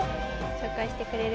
紹介してくれる？